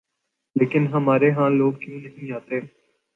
لیکن ہمارے ہاں لوگ کیوں نہیں آتے؟